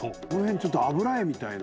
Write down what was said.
ちょっと油絵みたいな。